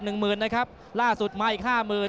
หนึ่งหมื่นนะครับล่าสุดมาอีกห้าหมื่น